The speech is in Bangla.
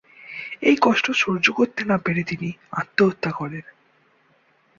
এই কষ্ট সহ্য করতে না পেরে তিনি আত্মহত্যা করেন।